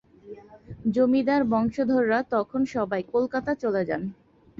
জমিদার বংশধররা তখন সবাই কলকাতা চলে যান।